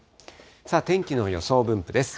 天気の予想分布です。